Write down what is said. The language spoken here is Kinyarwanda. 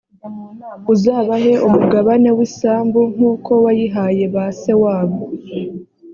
uzabahe umugabane w’isambu nk’uko wayihaye ba se wabo,